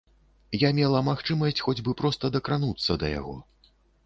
Я мела магчымасць хоць бы проста дакрануцца да яго.